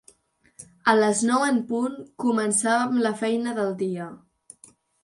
A les nou en punt començava amb la feina del dia.